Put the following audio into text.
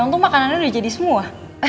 untung makanannya udah jadi semua